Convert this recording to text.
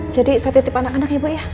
jadi saya titip anak anak ya bu ya